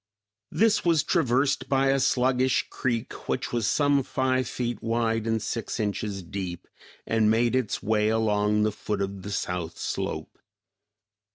This was traversed by a sluggish creek which was some five feet wide and six inches deep, and made its way along the foot of the south slope.